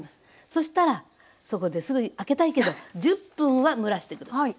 そしたらそこですぐに開けたいけど１０分は蒸らして下さい。